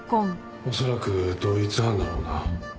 恐らく同一犯だろうな。